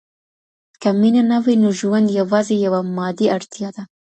که مینه نه وي نو ژوند یوازې یوه مادي اړتیا ده.